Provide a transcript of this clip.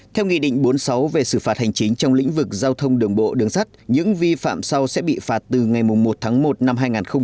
theo nghị định bốn mươi sáu về xử phạt hành chính trong lĩnh vực giao thông đường bộ đường sắt những vi phạm sau sẽ bị phạt từ ngày một tháng một năm hai nghìn hai mươi